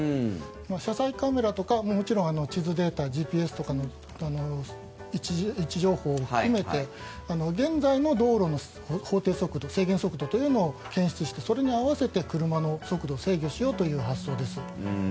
車載カメラとかもちろん、地図データＧＰＳとかの位置情報を含めて現在の道路の法定速度制限速度というのを検出して、それに合わせて車の速度を制御しようという発想です。